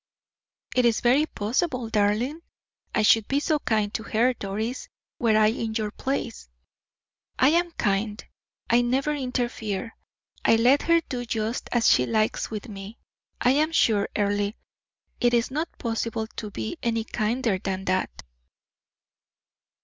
"It is very possible, darling. I should be so kind to her, Doris, were I in your place." "I am kind, I never interfere; I let her do just as she likes with me. I am sure, Earle, it is not possible to be any kinder than that."